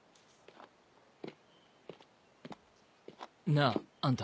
なぁあんた。